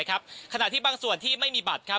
ขณะที่บางส่วนที่ไม่มีบัตรครับ